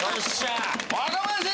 若林！